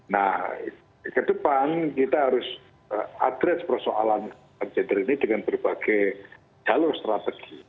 nah ke depan kita harus addres persoalan gender ini dengan berbagai jalur strategi